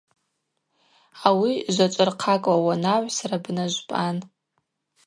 Ауи жвачӏвырхъакӏла уанагӏвсра бнажвпӏан.